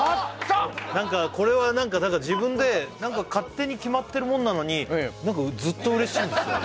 何かこれはだから自分で何か勝手に決まってるもんなのに何かずっと嬉しいんですよね